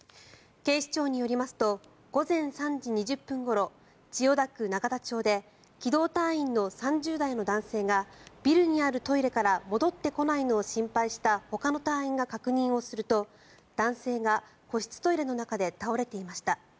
警視庁によりますと午前３時２０分ごろ千代田区永田町で機動隊員の３０代の男性がビルにあるトイレから戻ってこないのを心配したほかの隊員が確認をすると男性が個室トイレの中で倒れていました。